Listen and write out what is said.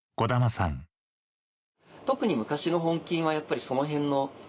特に昔の本金はやっぱりそのへんの。